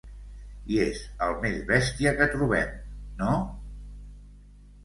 I és el més bèstia que trobem, no?